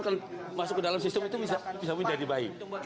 kalau masuk ke dalam sistem itu bisa menjadi baik